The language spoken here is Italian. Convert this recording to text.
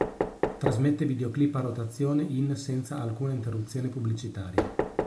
Trasmette videoclip a rotazione in senza alcuna interruzione pubblicitaria.